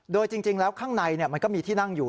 โดยจริงแล้วข้างในมันก็มีที่นั่งอยู่